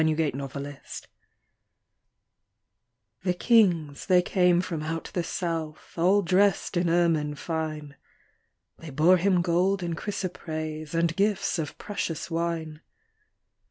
Christmas Carol The kings they came from out the south, All dressed in ermine fine, They bore Him gold and chrysoprase, And gifts of precious wine.